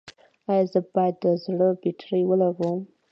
ایا زه باید د زړه بطرۍ ولګوم؟